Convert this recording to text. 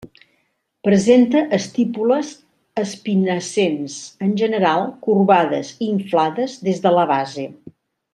Presenta estípules espinescents, en general corbades i inflades des de la base.